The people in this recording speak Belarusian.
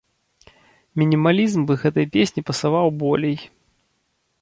Мінімалізм бы гэтай песні пасаваў болей.